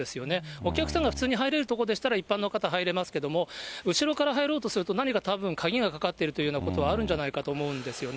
お客さんが普通に入れる所でしたら、一般の方、入れますけれども、後ろから入ろうとすると、何かたぶん、鍵がかかっているというようなことはあるんじゃないかと思うんですよね。